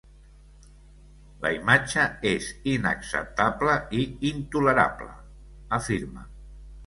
“La imatge és inacceptable i intolerable”, afirma.